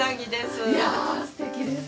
いやすてきです。